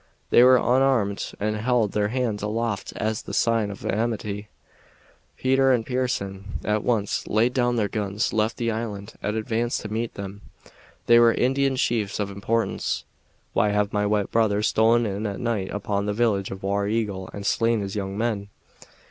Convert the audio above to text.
They were unarmed and held their hands aloft as a sign of amity. Peter and Pearson at once laid down their guns, left the island, and advanced to meet them. They were Indian chiefs of importance. "Why have my white brothers stolen in at night upon the village of War Eagle and slain his young men?"